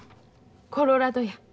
コロラドや。